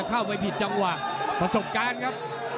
เข้าไปผิดจังหวะประสบการณ์ครับ